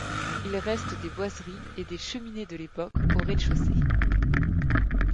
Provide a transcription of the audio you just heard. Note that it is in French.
Il reste des boiseries et des cheminées de l'époque au rez-de-chaussée.